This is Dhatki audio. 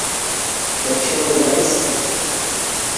رڪشي ۾ جائس.